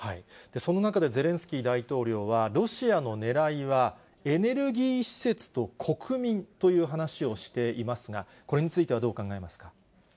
その中で、ゼレンスキー大統領は、ロシアの狙いは、エネルギー施設と国民という話をしていますが、これについてはどう考えますか。